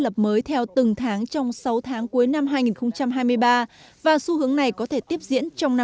lập mới theo từng tháng trong sáu tháng cuối năm hai nghìn hai mươi ba và xu hướng này có thể tiếp diễn trong năm hai nghìn hai